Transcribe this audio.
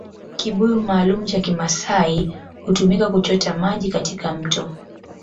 Kibuyu maalumu cha Kimaasai hutumika kuchota maji katika mto